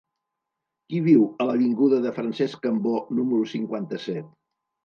Qui viu a l'avinguda de Francesc Cambó número cinquanta-set?